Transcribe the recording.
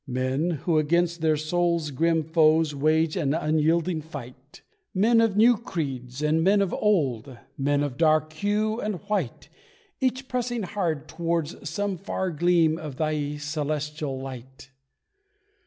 Men who against their souls' grim foes Wage an unyielding fight; Men of new creeds, and men of old, Men of dark hue, and white, Each pressing hard towards some far gleam Of Thy celestial light.